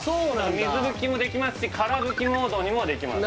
水拭きもできますしから拭きモードにもできます